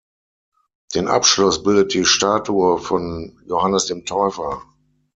Den Abschluss bildet die Statue von Johannes dem Täufer.